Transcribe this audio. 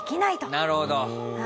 なるほど！